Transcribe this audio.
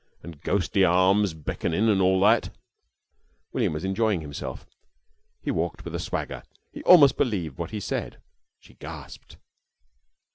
And ghostly arms beckonin' an' all that." William was enjoying himself. He walked with a swagger. He almost believed what he said. She gasped.